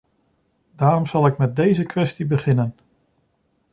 Daarom zal ik met deze kwestie beginnen.